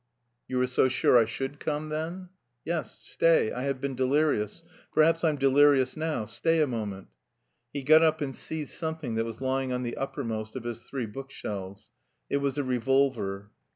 "You were so sure I should come then?" "Yes, stay, I have been delirious... perhaps I'm delirious now.... Stay a moment." He got up and seized something that was lying on the uppermost of his three bookshelves. It was a revolver.